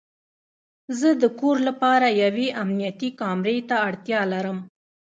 زه د کور لپاره یوې امنیتي کامرې ته اړتیا لرم